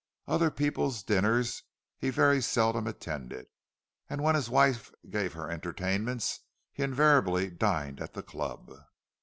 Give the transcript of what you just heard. Other people's dinners he very seldom attended, and when his wife gave her entertainments, he invariably dined at the club.